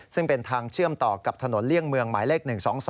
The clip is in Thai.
ซึ่งเป็นทางเชื่อมต่อกับถนนเลี่ยงเมืองหมายเลข๑๒๒